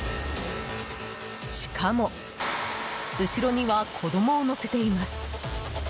しかも、後ろには子供を乗せています。